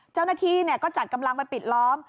เจ้าหน้าที่ก็จัดกำลังไปปิดล้อม